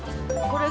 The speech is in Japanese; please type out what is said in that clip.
これ。